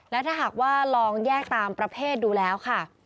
และถ้าหากว่าลองแยกตามประเภทดูแล้วค่ะ